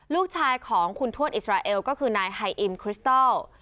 ลูกชายของคุณทวดอิสราเอลก็คือนายไฮอิมคริสตอล